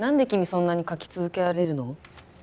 そんなに描き続けられるの？